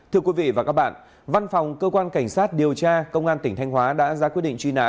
thưa quý vị và các bạn văn phòng cơ quan cảnh sát điều tra công an tỉnh thanh hóa đã ra quyết định truy nã